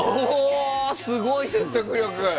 すごい説得力！